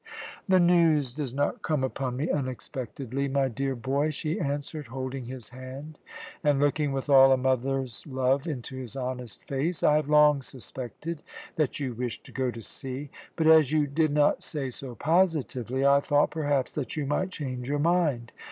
"The news does not come upon me unexpectedly, my dear boy," she answered, holding his hand and looking with all a mother's love into his honest face. "I have long suspected that you wished to go to sea; but, as you did not say so positively, I thought, perhaps, that you might change your mind.